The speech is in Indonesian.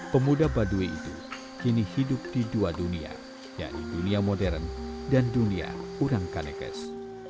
pemuda baduy itu kini hidup di dua dunia yaitu dunia modern dan dunia urang kanekes